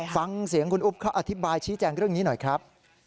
ฟังเสียงคุณอุ๊บเขาอธิบายชี้แจงเรื่องนี้หน่อยครับ